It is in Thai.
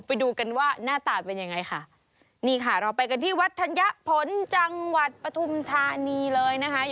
ไปดูกันว่าหน้าตาเป็นยังไงค่ะนี่ค่ะเราไปกันที่วัดธัญผลจังหวัดปฐุมธานีเลยนะคะ